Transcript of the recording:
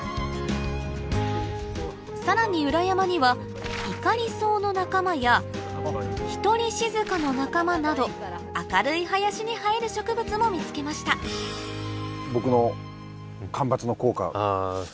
さらに裏山にはイカリソウの仲間やヒトリシズカの仲間など明るい林に生える植物も見つけましたあ。